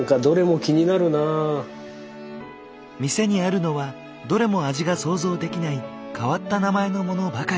店にあるのはどれも味が想像できない変わった名前のものばかり。